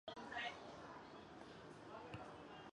溪潭镇是中国福建省宁德市福安市下辖的一个镇。